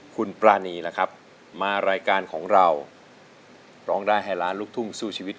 คุณปรานีล่ะครับมารายการของเราร้องได้ให้ล้านลูกทุ่งสู้ชีวิต